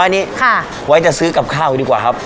อันนี้ไว้จะซื้อกับข้าวดีกว่าครับ